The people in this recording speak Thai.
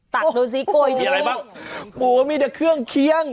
ตักดูสิกล้วยนิดหนึ่งโอ้โฮมีอะไรบ้างโอ้โฮมีแต่เครื่องเคียง